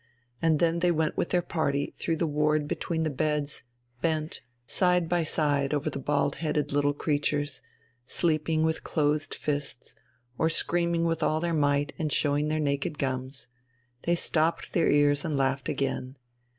And then they went with their party through the ward between the beds, bent, side by side over the bald headed little creatures, sleeping with closed fists or screaming with all their might and showing their naked gums they stopped their ears and laughed again.